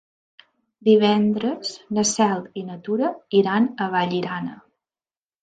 Divendres na Cel i na Tura iran a Vallirana.